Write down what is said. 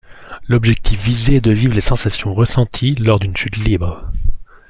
L'objectif visé est de vivre les sensations ressenties lors d'une chute libre.